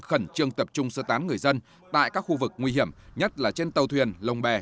khẩn trương tập trung sơ tán người dân tại các khu vực nguy hiểm nhất là trên tàu thuyền lồng bè